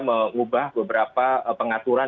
mengubah beberapa pengaturan